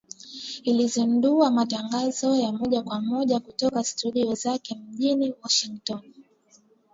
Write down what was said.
ilizindua matangazo ya moja kwa moja kutoka studio zake mjini Washington